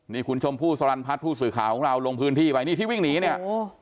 นี่คุณชมพู่สรรพัฒน์ผู้สื่อข่าวของเราลงพื้นที่ไปนี่ที่วิ่งหนีเนี่ยโอ้